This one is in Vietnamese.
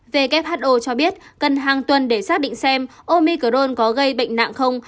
who cho biết cần hàng tuần để xác định xem omicrone có gây bệnh nặng không